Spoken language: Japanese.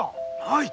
はい！